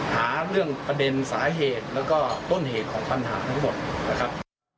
หาเรื่องประเด็นสาเหตุแล้วก็ต้นเหตุของปัญหาทั้งหมดนะครับ